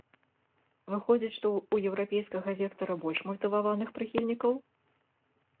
Выходзіць, што ў еўрапейскага вектара больш матываваных прыхільнікаў?